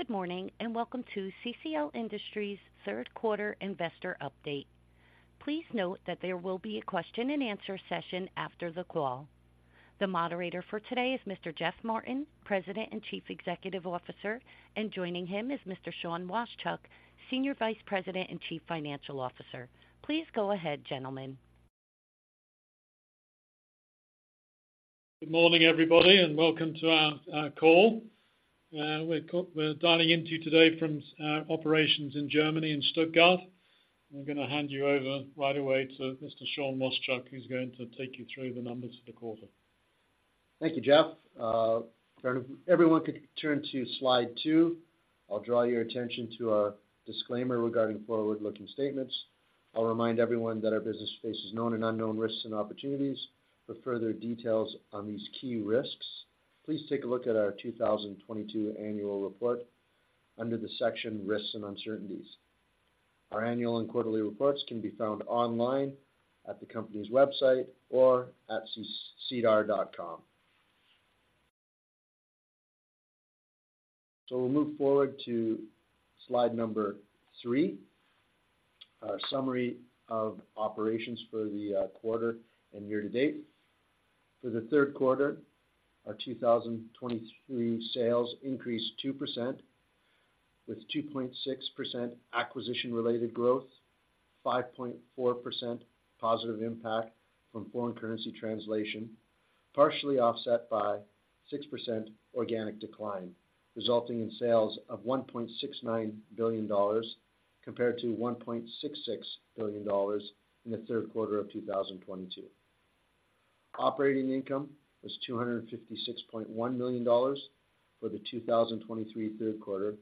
Good morning, and welcome to CCL Industries' Q3 investor Update. Please note that there will be a question and answer session after the call. The moderator for today is Mr. Geoff Martin, President and Chief Executive Officer, and joining him is Mr. Sean Washchuk, Senior Vice President and Chief Financial Officer. Please go ahead, gentlemen. Good morning, everybody, and welcome to our call. We're dialing into you today from our operations in Germany, in Stuttgart. I'm gonna hand you over right away to Mr. Sean Washchuk, who's going to take you through the numbers for the quarter. Thank you, Geoff. If everyone could turn to slide two, I'll draw your attention to our disclaimer regarding forward-looking statements. I'll remind everyone that our business faces known and unknown risks and opportunities. For further details on these key risks, please take a look at our 2022 annual report under the section: Risks and Uncertainties. Our annual and quarterly reports can be found online at the company's website or at SEDAR.com. We'll move forward to slide number three. Our summary of operations for the quarter and year to date. For the Q3, our 2023 sales increased 2%, with 2.6% acquisition-related growth, 5.4% positive impact from foreign currency translation, partially offset by 6% organic decline, resulting in sales of $1.69 billion compared to $1.66 billion in the Q3 of 2022. Operating income was $256.1 million for the 2023 Q3,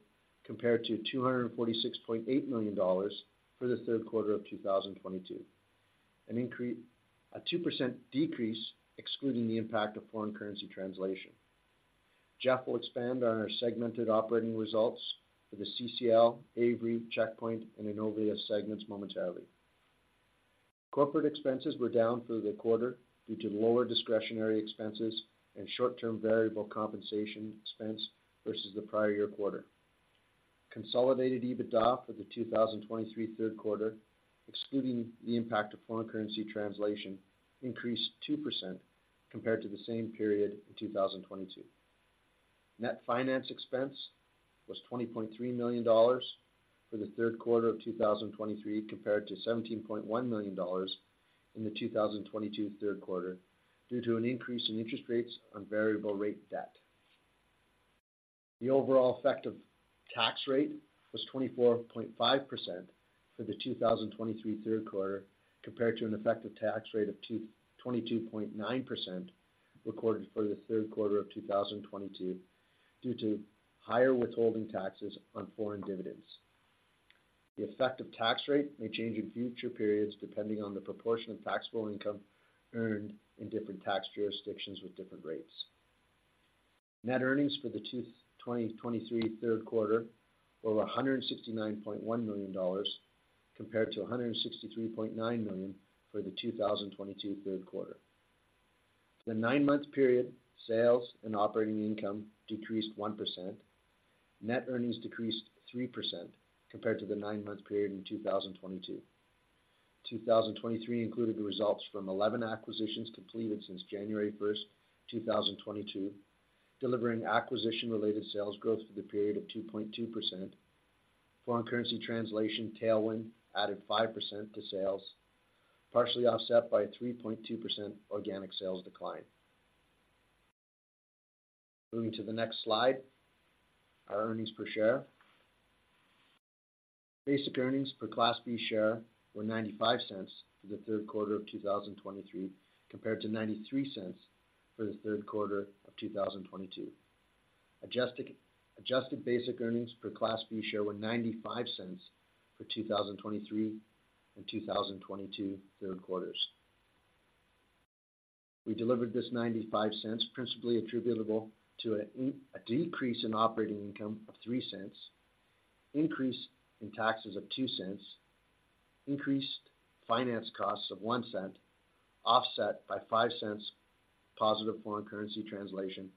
compared to $246.8 million for the Q3 of 2022. A 2% decrease, excluding the impact of foreign currency translation. Geoff will expand on our segmented operating results for the CCL, Avery, Checkpoint, and Innovia segments momentarily. Corporate expenses were down through the quarter due to lower discretionary expenses and short-term variable compensation expense versus the prior year quarter. Consolidated EBITDA for the 2023 Q3, excluding the impact of foreign currency translation, increased 2% compared to the same period in 2022. Net finance expense was 20.3 million dollars for the Q3 of 2023, compared to 17.1 million dollars in the 2022 Q3, due to an increase in interest rates on variable rate debt. The overall effective tax rate was 24.5% for the 2023 Q3, compared to an effective tax rate of 22.9% recorded for the Q3 of 2022, due to higher withholding taxes on foreign dividends. The effective tax rate may change in future periods, depending on the proportion of taxable income earned in different tax jurisdictions with different rates. Net earnings for the 2023 Q3 were 169.1 million dollars, compared to 163.9 million for the 2022 Q3. The nine-month period, sales and operating income decreased 1%. Net earnings decreased 3% compared to the nine-month period in 2022. 2023 included the results from 11 acquisitions completed since January 1, 2022, delivering acquisition-related sales growth for the period of 2.2%. Foreign currency translation tailwind added 5% to sales, partially offset by a 3.2% organic sales decline. Moving to the next slide, our EPS. Basic earnings per Class B share were 0.95 for the Q3 of 2023, compared to CAD 0.93 for the Q3 of 2022. Adjusted basic earnings per Class B share were 0.95 for 2023 and 2022 Q3s. We delivered this 0.95, principally attributable to a decrease in operating income of 0.03, increase in taxes of 0.02, increased finance costs of 0.01, offset by 0.05 positive foreign currency translation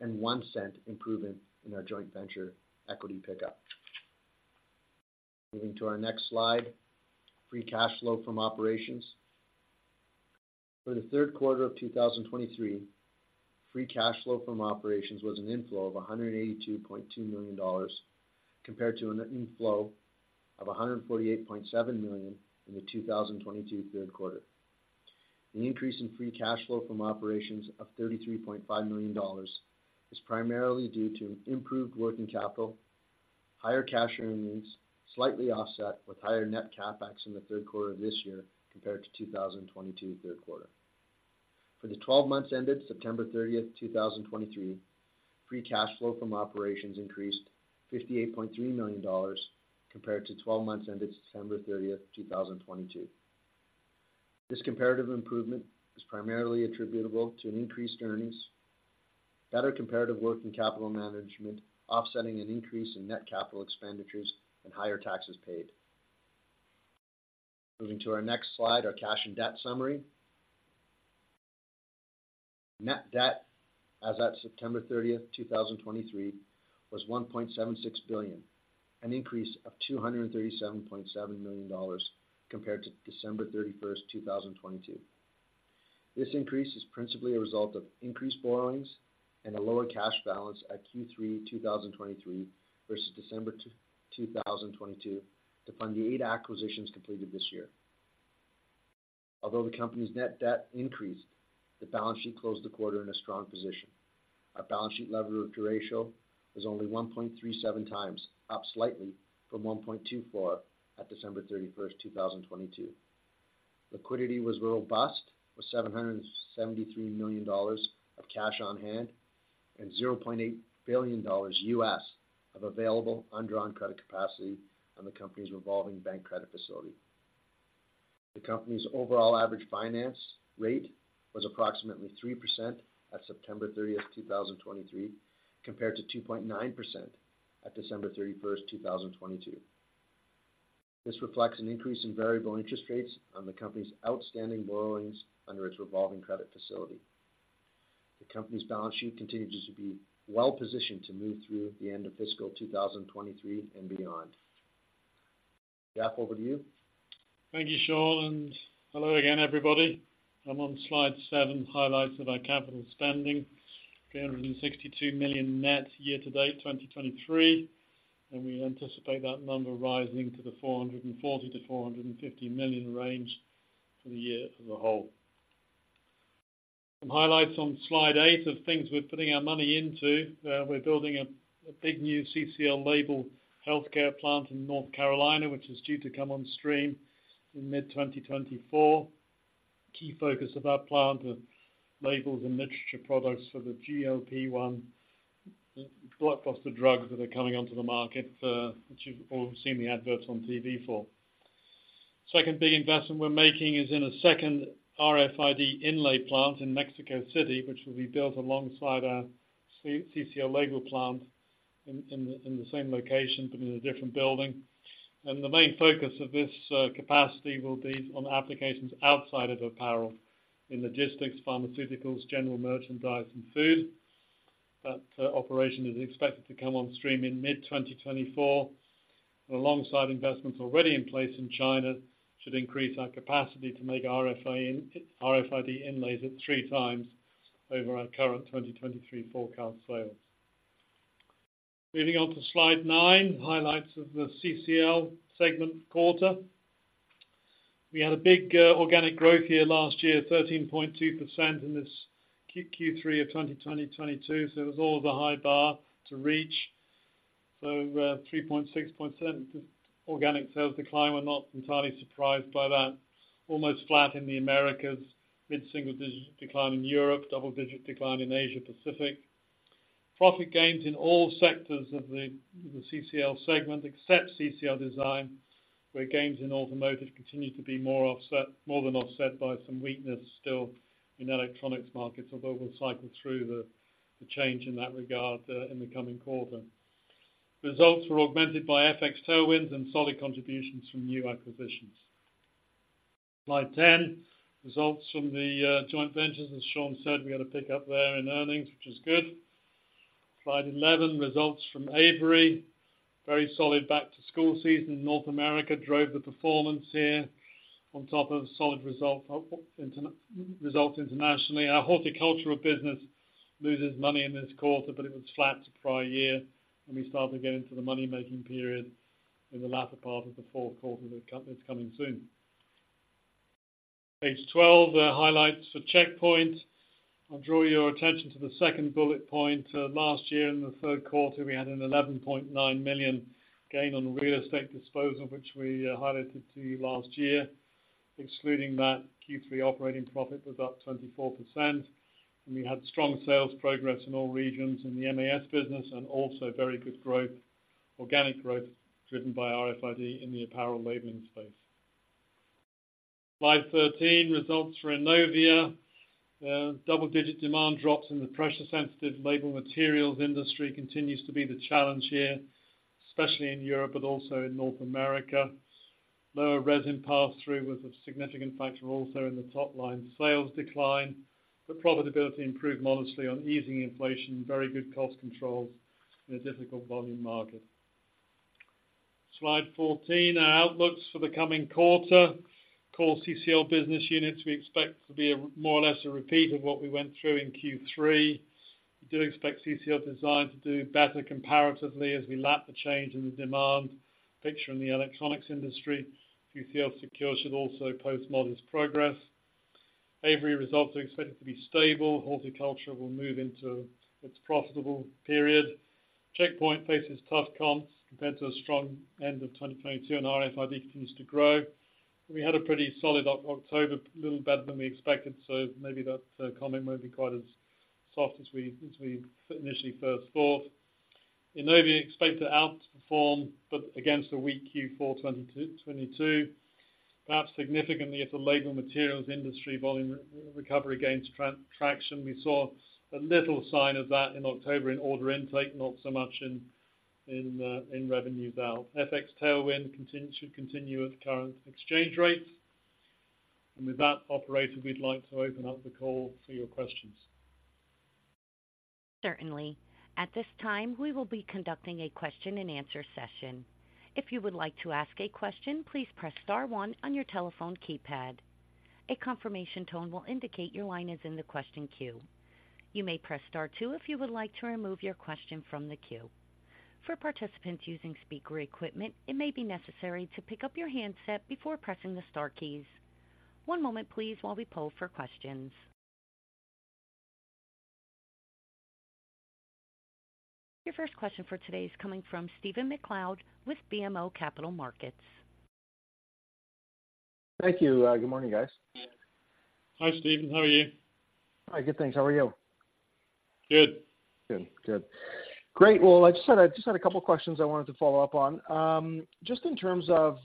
and 0.01 improvement in our joint venture equity pickup. Moving to our next slide, free cash flow from operations. For the Q3 of 2023, free cash flow from operations was an inflow of $182.2 million, compared to an inflow of $148.7 million in the 2022 Q3. The increase in free cash flow from operations of $33.5 million is primarily due to improved working capital, higher cash earnings, slightly offset with higher net CapEx in the Q3 of this year compared to 2022 Q3. For the 12 months ended September 30, 2023, free cash flow from operations increased $58.3 million compared to 12 months ended December 30, 2022. This comparative improvement is primarily attributable to an increased earnings, better comparative working capital management, offsetting an increase in net capital expenditures and higher taxes paid. Moving to our next slide, our cash and debt summary. Net debt as at September 30, 2023, was 1.76 billion, an increase of 237.7 million dollars compared to December 31, 2022. This increase is principally a result of increased borrowings and a lower cash balance at Q3 2023 versus December 2022, to fund the eight acquisitions completed this year. Although the company's net debt increased, the balance sheet closed the quarter in a strong position. Our balance sheet levered ratio is only 1.37 times, up slightly from 1.24 at December 31, 2022. Liquidity was robust, with 773 million dollars of cash on hand and $0.8 billion of available undrawn credit capacity on the company's revolving bank credit facility. The company's overall average finance rate was approximately 3% at September 30, 2023, compared to 2.9% at December 31, 2022. This reflects an increase in variable interest rates on the company's outstanding borrowings under its revolving credit facility. The company's balance sheet continues to be well positioned to move through the end of fiscal 2023 and beyond. Geoff, over to you. Thank you, Sean, and hello again, everybody. I'm on slide seven, highlights of our capital spending. 362 million net year to date, 2023, and we anticipate that number rising to the 440 million-450 million range for the year as a whole. Some highlights on slide eight of things we're putting our money into. We're building a big new CCL Label healthcare plant in North Carolina, which is due to come on stream in mid-2024. Key focus of that plant are labels and literature products for the GLP-1 blockbuster drugs that are coming onto the market, which you've all seen the adverts on TV for. Second big investment we're making is in a second RFID inlay plant in Mexico City, which will be built alongside our CCL Label plant in the same location, but in a different building. The main focus of this capacity will be on applications outside of apparel in logistics, pharmaceuticals, general merchandise, and food. That operation is expected to come on stream in mid-2024, and alongside investments already in place in China, should increase our capacity to make RFID inlays at three times over our current 2023 forecast sales. Moving on to Slide nine, highlights of the CCL segment quarter. We had a big organic growth year last year, 13.2% in this Q3 of 2022, so it was all the high bar to reach. So, 3.67 organic sales decline, we're not entirely surprised by that. Almost flat in the Americas, mid-single digit decline in Europe, double-digit decline in Asia Pacific. Profit gains in all sectors of the CCL segment, except CCL Design, where gains in automotive continue to be more than offset by some weakness still in electronics markets, although we'll cycle through the change in that regard in the coming quarter. Results were augmented by FX tailwinds and solid contributions from new acquisitions. Slide 10, results from the joint ventures. As Sean said, we had a pick-up there in earnings, which is good. Slide 11, results from Avery. Very solid back-to-school season in North America drove the performance here on top of solid results internationally. Our horticultural business loses money in this quarter, but it was flat to prior year, and we started to get into the money-making period in the latter part of the Q4 that's coming soon. Page 12, highlights for Checkpoint. I'll draw your attention to the second bullet point. Last year, in the Q3, we had a 11.9 million gain on the real estate disposal, which we highlighted to you last year. Excluding that, Q3 operating profit was up 24%, and we had strong sales progress in all regions in the MAS business and also very good growth, organic growth, driven by RFID in the apparel labeling space. Slide 13, results for Innovia. Double-digit demand drops in the pressure-sensitive label materials industry continues to be the challenge here, especially in Europe, but also in North America. Lower resin pass-through was a significant factor also in the top-line sales decline, but profitability improved modestly on easing inflation, very good cost controls in a difficult volume market. Slide 14, our outlooks for the coming quarter. Core CCL business units, we expect to be a more or less a repeat of what we went through in Q3. We do expect CCL Design to do better comparatively as we lap the change in the demand picture in the electronics industry. CCL Secure should also post modest progress. Avery results are expected to be stable. Horticulture will move into its profitable period. Checkpoint faces tough comps compared to a strong end of 2022, and RFID continues to grow. We had a pretty solid October, little better than we expected, so maybe that, comment won't be quite as soft as we, as we initially first thought. Innovia expect to outperform, but against a weak Q4 2022. Perhaps significantly, if the label materials industry volume recovery gains traction, we saw a little sign of that in October in order intake, not so much in revenue though. FX tailwind continues, should continue at current exchange rates. And with that, operator, we'd like to open up the call for your questions. Certainly. At this time, we will be conducting a question-and-answer session. If you would like to ask a question, please press star one on your telephone keypad. A confirmation tone will indicate your line is in the question queue. You may press star two if you would like to remove your question from the queue. For participants using speaker equipment, it may be necessary to pick up your handset before pressing the star keys. One moment, please, while we poll for questions. Your first question for today is coming from Stephen MacLeod with BMO Capital Markets. Thank you. Good morning, guys. Hi, Steve. How are you? Hi, good, thanks. How are you? Good. Good. Good. Great. Well, I just had, I just had a couple of questions I wanted to follow up on. Just in terms of,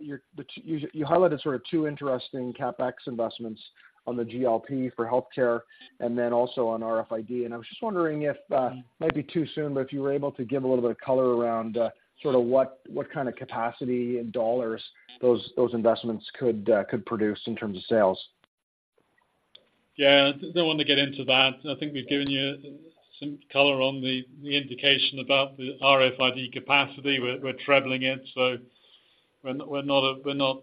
your-- the two-- you, you highlighted sort of two interesting CapEx investments on the GLP for healthcare and then also on RFID. And I was just wondering if, might be too soon, but if you were able to give a little bit of color around, sort of what, what kind of capacity and dollars those, those investments could, could produce in terms of sales. Yeah. Don't want to get into that. I think we've given you some color on the indication about the RFID capacity. We're trebling it, so we're not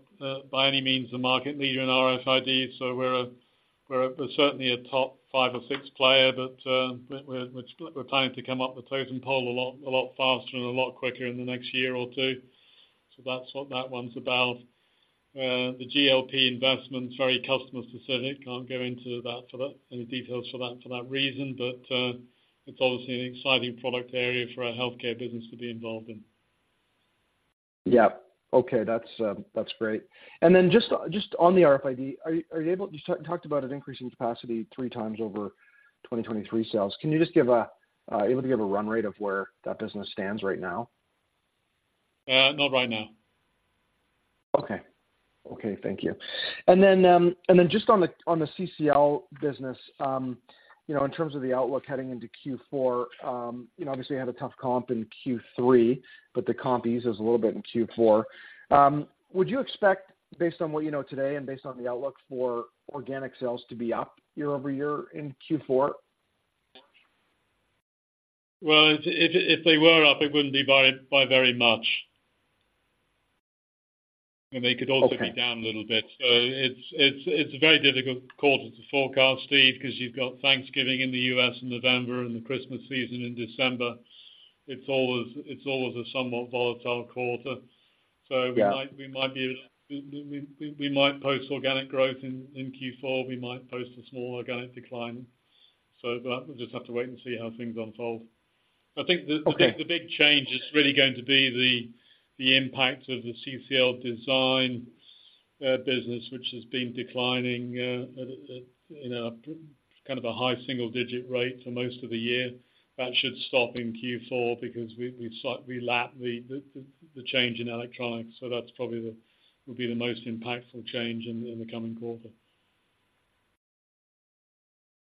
by any means the market leader in RFID, so we're certainly a top five or six player, but we're planning to come up the totem pole a lot faster and a lot quicker in the next year or two. So that's what that one's about. The GLP investment, very customer specific. Can't go into that for any details for that reason, but it's obviously an exciting product area for our healthcare business to be involved in. Yeah. Okay, that's great. And then just on the RFID, are you able... You talked about an increase in capacity three times over 2023 sales. Can you just able to give a run rate of where that business stands right now? not right now. Okay. Okay, thank you. And then, and then just on the, on the CCL business, you know, in terms of the outlook heading into Q4, you know, obviously, you had a tough comp in Q3, but the comp eases a little bit in Q4. Would you expect, based on what you know today and based on the outlook for organic sales, to be up year-over-year in Q4? Well, if they were up, it wouldn't be by very much. And they could also- Okay... be down a little bit. So it's a very difficult quarter to forecast, Steve, because you've got Thanksgiving in the US in November and the Christmas season in December. It's always a somewhat volatile quarter. Yeah. So we might be able to post organic growth in Q4, we might post a small organic decline. So but we'll just have to wait and see how things unfold. Okay. I think the big change is really going to be the impact of the CCL Design business, which has been declining at a, you know, kind of a high single digit rate for most of the year. That should stop in Q4 because we lap the change in electronics, so that's probably the will be the most impactful change in the coming quarter.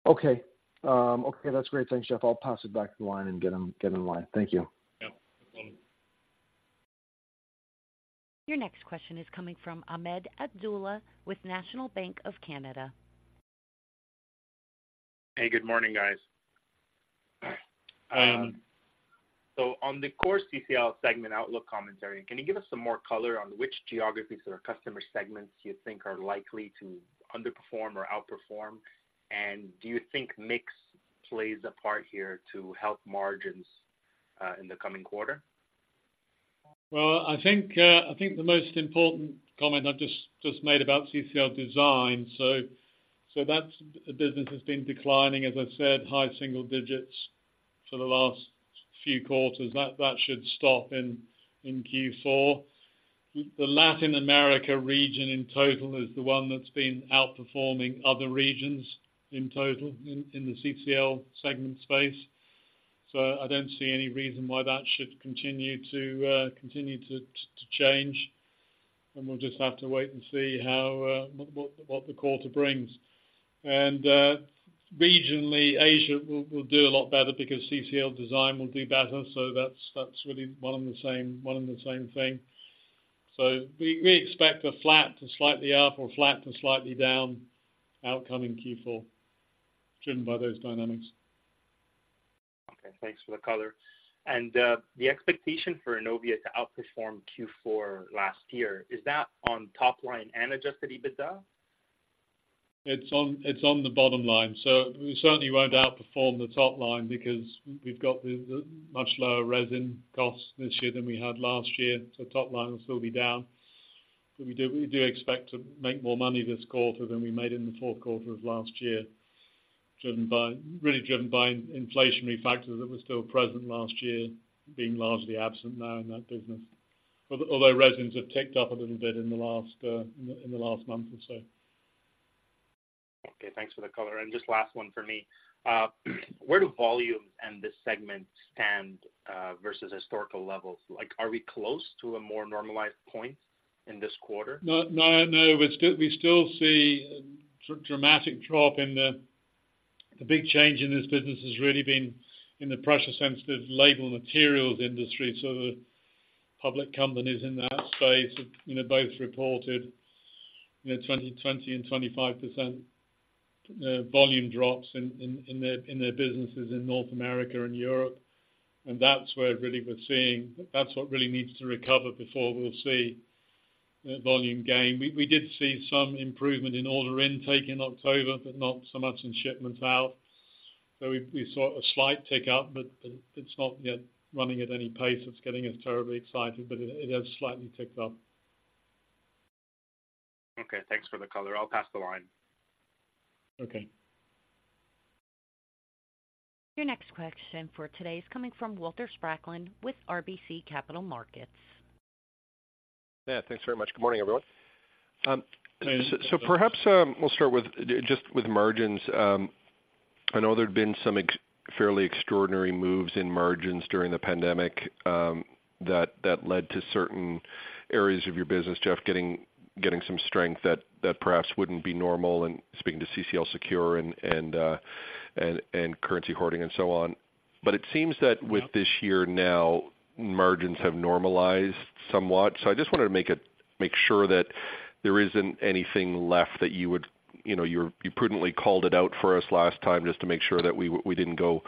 Okay. Okay, that's great. Thanks, Geoff. I'll pass it back to the line and get on, get in line. Thank you. Yeah. Thank you. Your next question is coming from Ahmed Abdullah with National Bank of Canada. Hey, good morning, guys. So on the core CCL segment outlook commentary, can you give us some more color on which geographies or customer segments you think are likely to underperform or outperform? And do you think mix plays a part here to help margins in the coming quarter? Well, I think the most important comment I've just made about CCL Design, so that business has been declining, as I said, high single digits for the last few quarters. That should stop in Q4. The Latin America region in total is the one that's been outperforming other regions in total, in the CCL segment space. So I don't see any reason why that should continue to change. And we'll just have to wait and see how what the quarter brings. And regionally, Asia will do a lot better because CCL Design will do better. So that's really one and the same thing. So we expect a flat to slightly up or flat to slightly down outcoming Q4, driven by those dynamics. Okay, thanks for the color. The expectation for Innovia to outperform Q4 last year, is that on top line and adjusted EBITDA? It's on the bottom line. So we certainly won't outperform the top line because we've got the much lower resin costs this year than we had last year. So top line will still be down, but we do expect to make more money this quarter than we made in the Q4 of last year, driven by, really driven by inflationary factors that were still present last year, being largely absent now in that business. Although resins have ticked up a little bit in the last month or so. Okay, thanks for the color. Just last one for me. Where do volumes and this segment stand versus historical levels? Like, are we close to a more normalized point?... in this quarter? No, no, no. We still, we still see a dramatic drop in the big change in this business has really been in the pressure-sensitive label materials industry. So the public companies in that space, you know, both reported, you know, 20, 20 and 25% volume drops in their businesses in North America and Europe. And that's where really we're seeing. That's what really needs to recover before we'll see volume gain. We did see some improvement in order intake in October, but not so much in shipments out. So we saw a slight tick up, but it's not yet running at any pace that's getting us terribly excited, but it has slightly ticked up. Okay, thanks for the color. I'll pass the line. Okay. Your next question for today is coming from Walter Spracklin with RBC Capital Markets. Yeah, thanks very much. Good morning, everyone. Good morning. So perhaps we'll start with just margins. I know there had been some fairly extraordinary moves in margins during the pandemic, that, that led to certain areas of your business, Geoff, getting, getting some strength that, that perhaps wouldn't be normal and speaking to CCL Secure and, and, and currency hoarding and so on. But it seems that with this year now, margins have normalized somewhat. So I just wanted to make it-- make sure that there isn't anything left that you would... You know, you're, you prudently called it out for us last time, just to make sure that we, we didn't go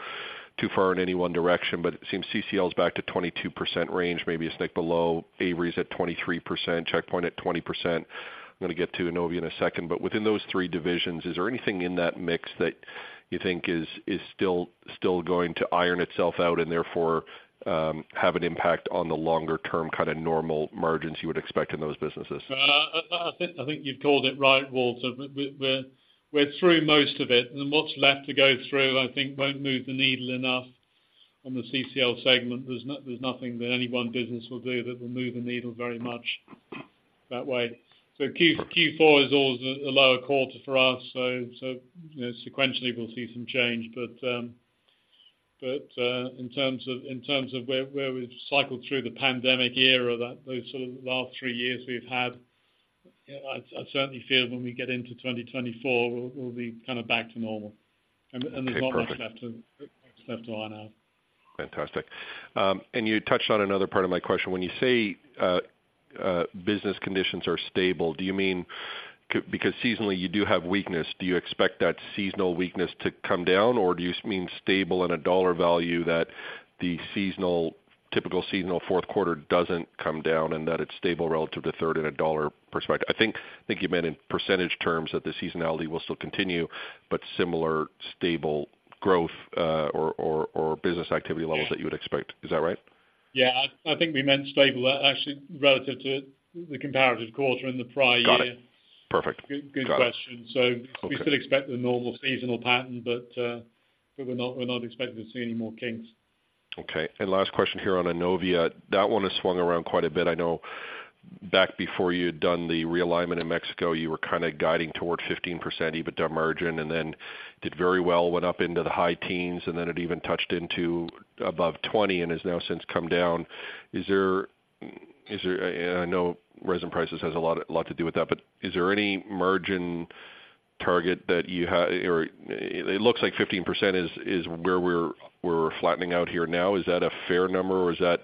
too far in any one direction. But it seems CCL is back to 22% range, maybe a stick below. Avery's at 23%, Checkpoint at 20%. I'm gonna get to Innovia in a second, but within those three divisions, is there anything in that mix that you think is still going to iron itself out and therefore have an impact on the longer-term kind of normal margins you would expect in those businesses? I think you've called it right, Walter. We're through most of it, and what's left to go through, I think, won't move the needle enough on the CCL segment. There's nothing that any one business will do that will move the needle very much that way. So Q4 is always a lower quarter for us, so, you know, sequentially, we'll see some change. But, but, in terms of where we've cycled through the pandemic era, that those sort of last three years we've had, you know, I certainly feel when we get into 2024, we'll be kind of back to normal. Okay, perfect. There's not much left to iron out. Fantastic. And you touched on another part of my question. When you say, business conditions are stable, do you mean? Because seasonally, you do have weakness, do you expect that seasonal weakness to come down, or do you mean stable in a dollar value that the seasonal, typical seasonal Q4 doesn't come down and that it's stable relative to third in a dollar perspective? I think, I think you meant in percentage terms, that the seasonality will still continue, but similar stable growth, or business activity levels that you would expect. Is that right? Yeah, I think we meant stable, actually, relative to the comparative quarter in the prior year. Got it. Perfect. Good, good question. Got it. So- Okay. We still expect the normal seasonal pattern, but we're not expecting to see any more kinks. Okay, and last question here on Innovia. That one has swung around quite a bit. I know back before you had done the realignment in Mexico, you were kind of guiding towards 15% EBITDA margin, and then did very well, went up into the high teens, and then it even touched into above 20% and has now since come down. Is there, is there-- I know resin prices has a lot, a lot to do with that, but is there any margin target that you have? Or it looks like 15% is, is where we're, we're flattening out here now. Is that a fair number, or is that--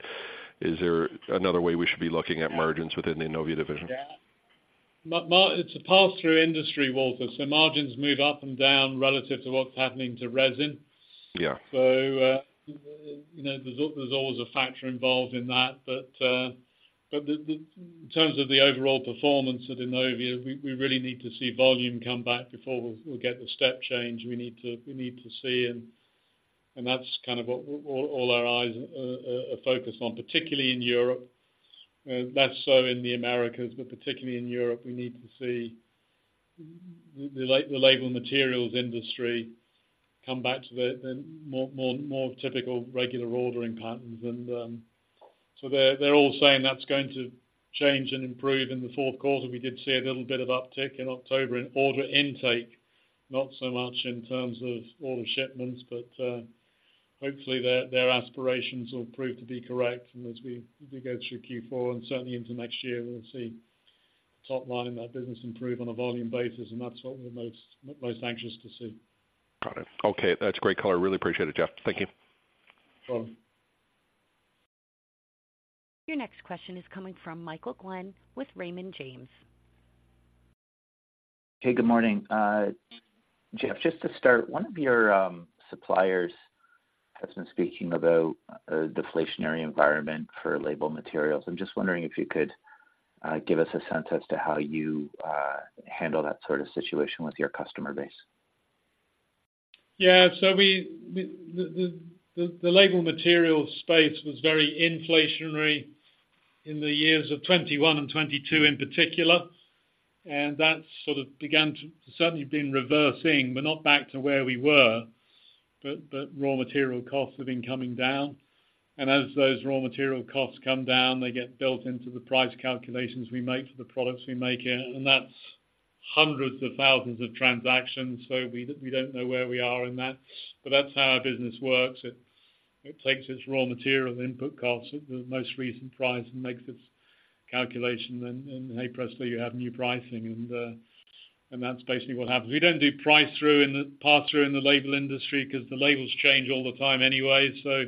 is there another way we should be looking at margins within the Innovia division? Yeah. It's a pass-through industry, Walter, so margins move up and down relative to what's happening to resin. Yeah. So, you know, there's always a factor involved in that. But, in terms of the overall performance at Innovia, we really need to see volume come back before we'll get the step change. We need to see, and that's kind of what all our eyes are focused on, particularly in Europe. Less so in the Americas, but particularly in Europe, we need to see the label materials industry come back to the more typical regular ordering patterns. And, so they're all saying that's going to change and improve in the Q4. We did see a little bit of uptick in October in order intake, not so much in terms of order shipments, but, hopefully, their aspirations will prove to be correct. As we go through Q4 and certainly into next year, we'll see top line in that business improve on a volume basis, and that's what we're most anxious to see. Got it. Okay, that's great color. Really appreciate it, Geoff. Thank you. Sure. Your next question is coming from Michael Glen with Raymond James. Hey, good morning. Geoff, just to start, one of your suppliers has been speaking about a deflationary environment for label materials. I'm just wondering if you could give us a sense as to how you handle that sort of situation with your customer base. Yeah, so the label material space was very inflationary in the years of 2021 and 2022 in particular, and that sort of began to certainly been reversing, but not back to where we were. But raw material costs have been coming down, and as those raw material costs come down, they get built into the price calculations we make for the products we make here. And that's hundreds of thousands of transactions, so we don't know where we are in that. But that's how our business works. It takes its raw material input costs at the most recent price and makes its calculation, and "Hey, Presley, you have new pricing." And that's basically what happens. We don't do price through in the pass-through in the label industry because the labels change all the time anyway, so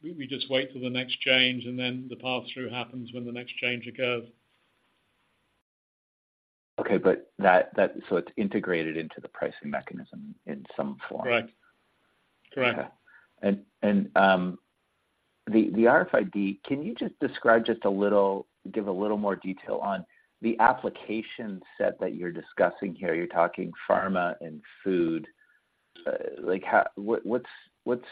we just wait till the next change, and then the pass-through happens when the next change occurs. Okay, but that... So it's integrated into the pricing mechanism in some form? Correct. Correct. Okay. The RFID, can you just describe just a little, give a little more detail on the application set that you're discussing here? You're talking pharma and food. Like, how, what, what's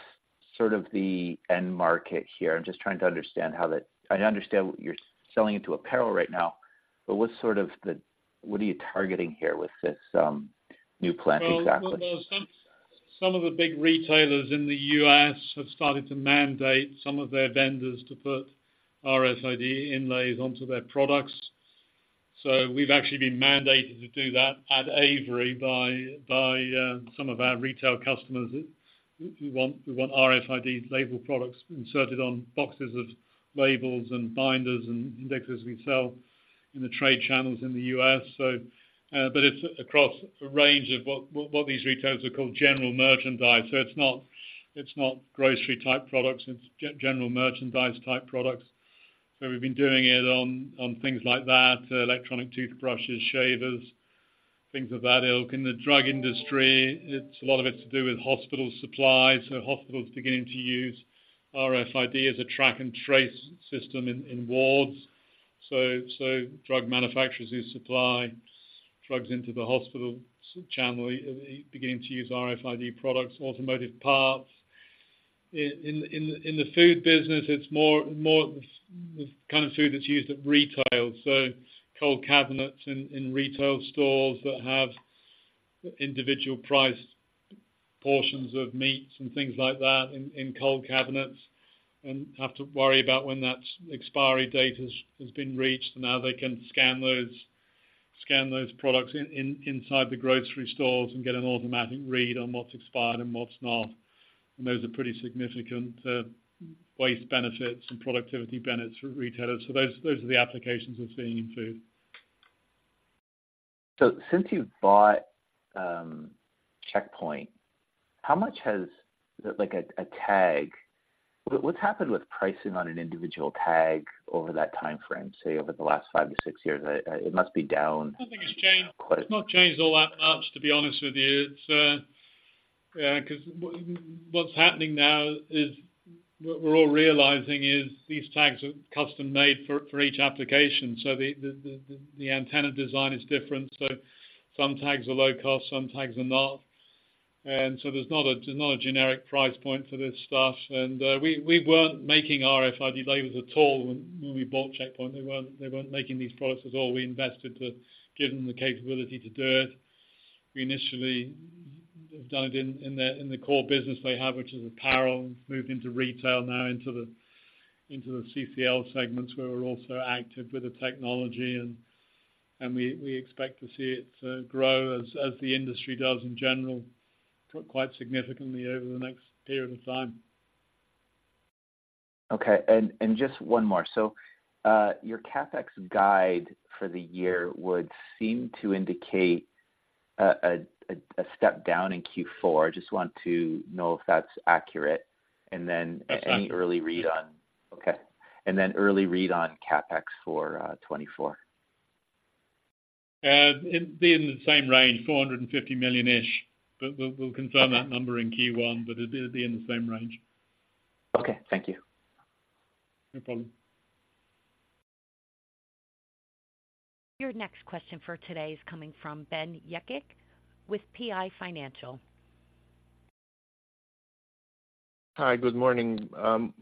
sort of the end market here? I'm just trying to understand how that... I understand what you're selling into apparel right now, but what's sort of what are you targeting here with this new plan exactly? Well, well, well, some of the big retailers in the U.S. have started to mandate some of their vendors to put RFID inlays onto their products. So we've actually been mandated to do that at Avery by some of our retail customers. We want RFID label products inserted on boxes of labels and binders and indexes we sell in the trade channels in the U.S. So, but it's across a range of what these retailers are called general merchandise. So it's not grocery-type products, it's general merchandise-type products. So we've been doing it on things like that, electronic toothbrushes, shavers, things of that ilk. In the drug industry, it's a lot of it to do with hospital supplies. So hospitals are beginning to use RFID as a track and trace system in wards. So, drug manufacturers who supply drugs into the hospital channel are beginning to use RFID products, automotive parts. In the food business, it's more the kind of food that's used at retail, so cold cabinets in retail stores that have individual priced portions of meats and things like that in cold cabinets, and have to worry about when that expiry date has been reached. Now they can scan those products inside the grocery stores and get an automatic read on what's expired and what's not. And those are pretty significant waste benefits and productivity benefits for retailers. So those are the applications we're seeing in food. So since you've bought Checkpoint, how much has, like, what's happened with pricing on an individual tag over that timeframe, say, over the last five to six years? It must be down- I think it's changed. Quite. It's not changed all that much, to be honest with you. It's... Yeah, 'cause what's happening now is, what we're all realizing is these tags are custom-made for each application, so the antenna design is different. So some tags are low cost, some tags are not. And so there's not a generic price point for this stuff. And, we weren't making RFID labels at all when we bought Checkpoint. They weren't making these products at all. We invested to give them the capability to do it. We initially done it in the core business they have, which is apparel, moved into retail now into the CCL segments, where we're also active with the technology, and we expect to see it grow as the industry does in general, quite significantly over the next period of time. Okay, and just one more. So, your CapEx guide for the year would seem to indicate a step down in Q4. I just want to know if that's accurate, and then- That's right. Any early read on... Okay. And then early read on CapEx for 2024. It'd be in the same range, 450 million-ish, but we'll confirm that number in Q1, but it'd be in the same range. Okay, thank you. No problem. Your next question for today is coming from Ben Jekic with PI Financial. Hi, good morning.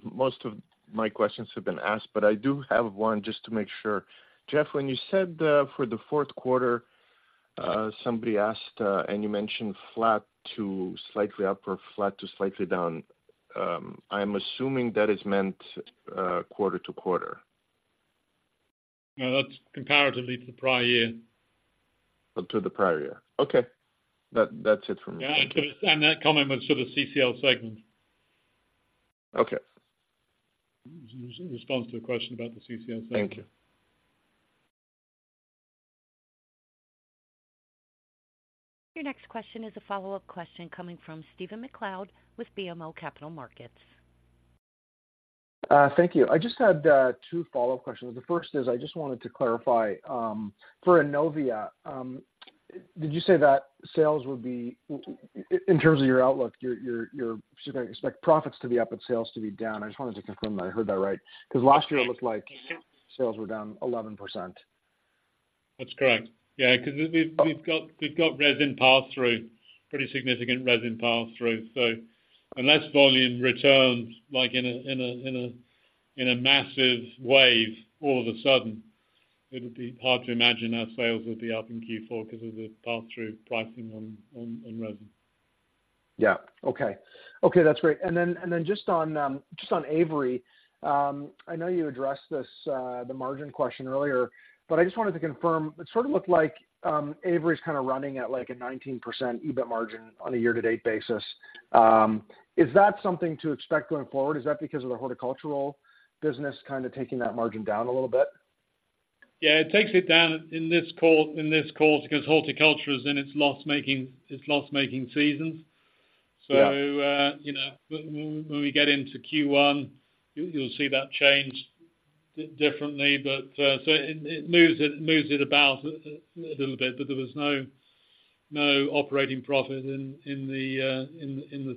Most of my questions have been asked, but I do have one, just to make sure. Geoff, when you said, for the Q4, somebody asked, and you mentioned flat to slightly up or flat to slightly down, I'm assuming that is meant, quarter to quarter. No, that's comparatively to the prior year. To the prior year. Okay. That, that's it for me. Yeah, and that comment was for the CCL segment. Okay. It was in response to a question about the CCL segment. Thank you. Your next question is a follow-up question coming from Stephen MacLeod with BMO Capital Markets. Thank you. I just had two follow-up questions. The first is, I just wanted to clarify, for Innovia, did you say that sales would be, in terms of your outlook, you're expecting profits to be up and sales to be down? I just wanted to confirm that I heard that right, because last year it looked like- Mm-hmm. Sales were down 11%. That's correct. Yeah, 'cause we've got resin pass-through, pretty significant resin pass-through. So unless volume returns, like in a massive wave all of a sudden, it would be hard to imagine our sales would be up in Q4 because of the pass-through pricing on resin. Yeah. Okay. Okay, that's great. And then, and then just on, just on Avery, I know you addressed this, the margin question earlier, but I just wanted to confirm. It sort of looked like, Avery's kind of running at like a 19% EBIT margin on a year-to-date basis. Is that something to expect going forward? Is that because of the horticultural business kind of taking that margin down a little bit? Yeah, it takes it down in this quarter, in this quarter, because horticulture is in its loss-making, its loss-making seasons. Yeah. So, you know, when we get into Q1, you'll see that change differently. But, so it moves it about a little bit, but there was no operating profit in the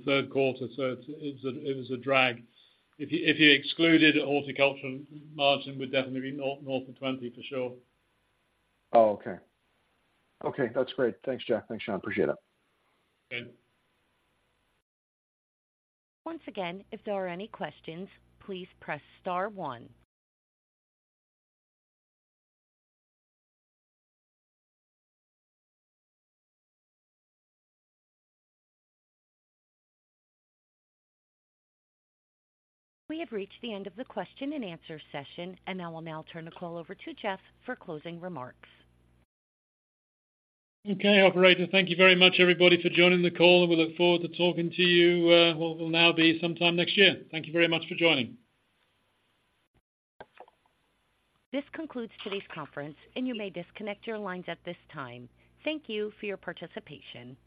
Q3, so it was a drag. If you excluded horticulture, margin would definitely be north of 20% for sure. Oh, okay. Okay, that's great. Thanks, Geoff. Thanks, Sean. Appreciate it. Okay. Once again, if there are any questions, please press Star one. We have reached the end of the question and answer session, and I will now turn the call over to Geoff for closing remarks. Okay, operator. Thank you very much, everybody, for joining the call, and we look forward to talking to you, what will now be sometime next year. Thank you very much for joining. This concludes today's conference, and you may disconnect your lines at this time. Thank you for your participation.